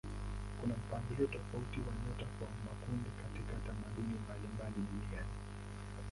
Kuna mpangilio tofauti wa nyota kwa makundi katika tamaduni mbalimbali duniani.